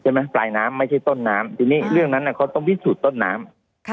ปลายน้ำไม่ใช่ต้นน้ำทีนี้เรื่องนั้นเขาต้องพิสูจน์ต้นน้ำ